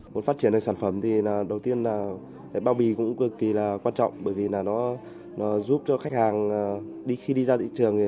muốn phát triển được sản phẩm thì đầu tiên là bao bì cũng cực kỳ là quan trọng bởi vì là nó giúp cho khách hàng đi khi đi ra thị trường